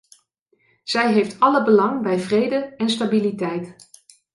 Zij heeft alle belang bij vrede en stabiliteit.